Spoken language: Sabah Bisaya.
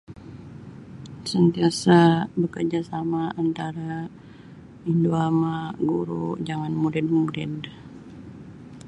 Santiasa' bakarjasama' antara indu ama' guru jangan murid-murid.